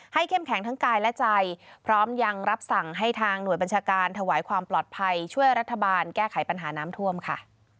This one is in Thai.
เข้มแข็งทั้งกายและใจพร้อมยังรับสั่งให้ทางหน่วยบัญชาการถวายความปลอดภัยช่วยรัฐบาลแก้ไขปัญหาน้ำท่วมค่ะ